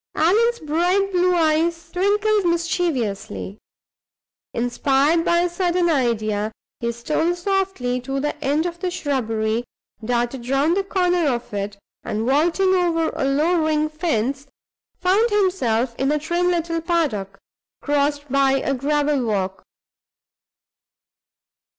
'" Allan's bright blue eyes twinkled mischievously. Inspired by a sudden idea, he stole softly to the end of the shrubbery, darted round the corner of it, and, vaulting over a low ring fence, found himself in a trim little paddock, crossed by a gravel walk.